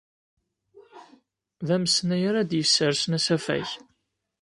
D amesnay ara d-yessersen asafag.